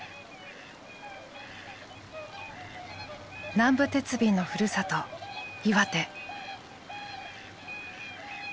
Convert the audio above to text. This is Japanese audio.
南部鉄瓶のふるさと岩手。